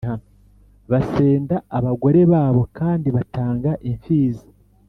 basenda abagore babo kandi batanga impfizi